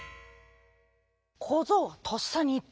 こぞうはとっさにいった。